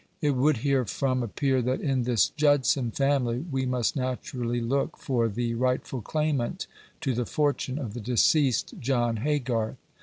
It would herefrom appear that in this Judson family we must naturally look for the rightful claimant to the fortune of the deceased John Haygarth.